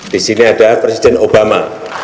disini ada presiden obama